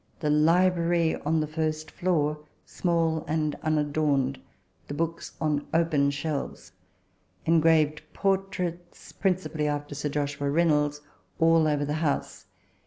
The library on the first floor small and unadorned the books on open shelves. Engraved portraits, principally after Sir Joshua Reynolds, all over the house.